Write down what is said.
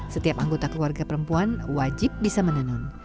setiap anggota keluarga perempuan wajib bisa menenun